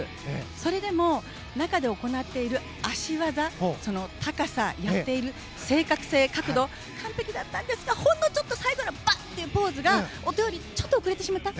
それでも、中で行っている脚技高さ、やっている正確性、角度完璧だったんですがほんのちょっと最後のポーズが音よりちょっと遅れてしまった。